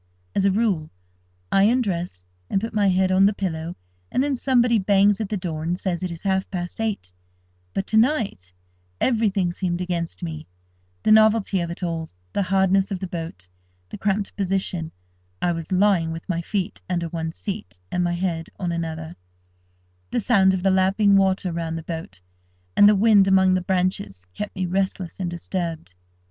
As a rule, I undress and put my head on the pillow, and then somebody bangs at the door, and says it is half past eight: but, to night, everything seemed against me; the novelty of it all, the hardness of the boat, the cramped position (I was lying with my feet under one seat, and my head on another), the sound of the lapping water round the boat, and the wind among the branches, kept me restless and disturbed.